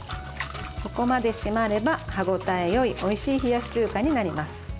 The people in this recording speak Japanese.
ここまで締まれば、歯応えよいおいしい冷やし中華になります。